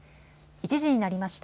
１時になりました。